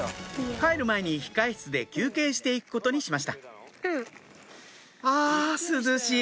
帰る前に控室で休憩して行くことにしました「あ涼しい」